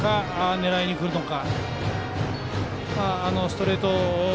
狙いにくるのか。